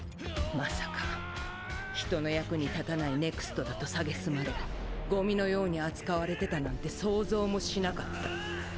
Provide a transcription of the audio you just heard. まさか人の役に立たないＮＥＸＴだと蔑まれゴミのように扱われてたなんて想像もしなかった。